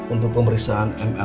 untuk pemeriksaan m a